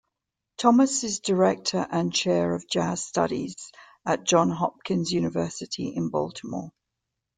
Thomas is Director and Chair of Jazz Studies at Johns Hopkins University in Baltimore.